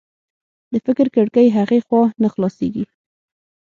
د فکر کړکۍ هغې خوا نه خلاصېږي